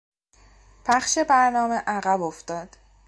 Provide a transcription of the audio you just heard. پخش برنامه عقب افتاد.